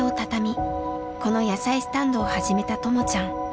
この野菜スタンドを始めたともちゃん。